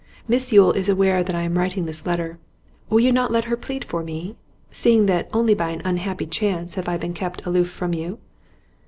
Miss Yule is aware that I am writing this letter; will you not let her plead for me, seeing that only by an unhappy chance have I been kept aloof from you?